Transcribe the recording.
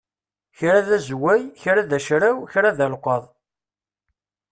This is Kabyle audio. Kra d azway, kra d acraw, kra d alqaḍ.